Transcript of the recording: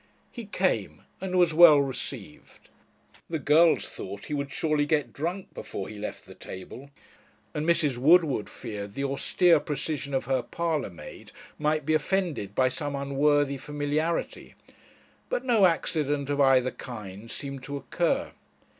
He came, and was well received. The girls thought he would surely get drunk before he left the table, and Mrs. Woodward feared the austere precision of her parlour maid might be offended by some unworthy familiarity; but no accident of either kind seemed to occur.